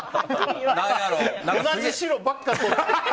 同じ白ばっかりとって。